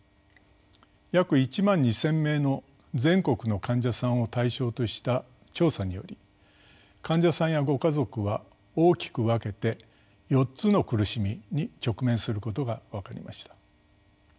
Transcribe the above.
約１万２，０００名の全国の患者さんを対象とした調査により患者さんやご家族は大きく分けて４つの苦しみに直面することが分かりました。